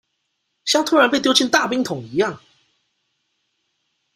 像突然被丟進大冰桶一樣